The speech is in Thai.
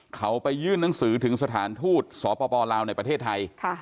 เขาไปยื่นหนังสือถึงสถานทูตสปลาวในประเทศไทย